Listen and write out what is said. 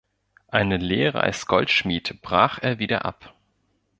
Eine Lehre als Goldschmied brach er wieder ab.